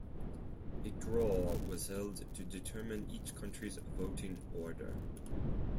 A draw was held to determine each country's voting order.